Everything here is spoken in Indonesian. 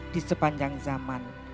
di sepanjang zaman